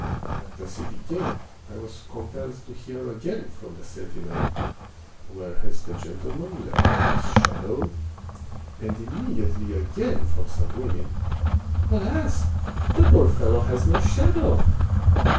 At the city gate I was compelled to hear again from the sentinel, " Where has the gentleman left 1 6 The Wonderful History his shadow ?" And immediately again from some women, " Alas ! the poor fellow has no shadow